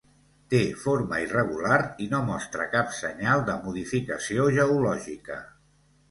Té forma irregular i no mostra cap senyal de modificació geològica.